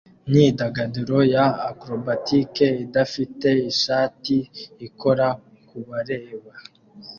Imyidagaduro ya Acrobatic idafite ishati ikora kubareba